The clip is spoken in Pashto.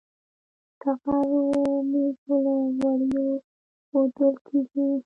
ټغر و مېږو له وړیو وُودل کېږي.